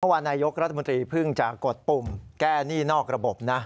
วันนายกรัฐมนตรีเพิ่งจะกดปุ่มแก้หนี้นอกระบบนะ